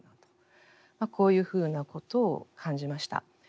こういうふうなことを感じました。